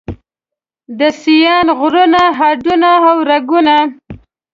د سیاڼ غرونو هډونه او رګونه